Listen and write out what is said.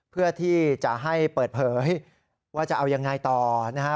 เพื่อที่จะให้เปิดเผยว่าจะเอายังไงต่อนะฮะ